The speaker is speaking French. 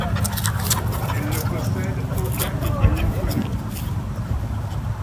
Elle ne possède aucun compagnon connu.